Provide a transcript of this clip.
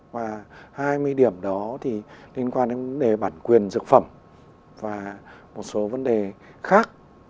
và hai mươi điểm đó thì liên quan đến vấn đề bản quyền dược phẩm và một số vấn đề khác